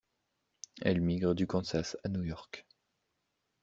Elle migre du Kansas à New York.